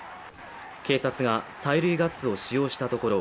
警察が催涙ガスを使用したところ